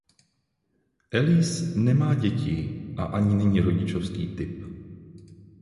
Elise nemá děti a ani není rodičovský typ.